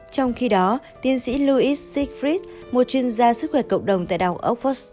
trong khi đó tiến sĩ louis siegfried một chuyên gia sức khỏe cộng đồng tại đảo oxford